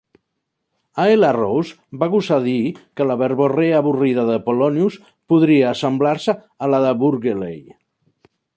A. L. Rowse va gosar dir que la verborrea avorrida de Polonius podria assemblar-se a la de Burghley.